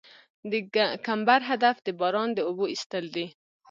د کمبر هدف د باران د اوبو ایستل دي